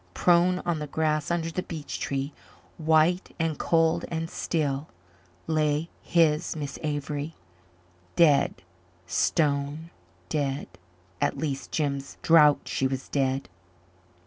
Prone on the grass under the beech tree, white and cold and still, lay his Miss Avery dead, stone dead! At least Jims drought she was dead.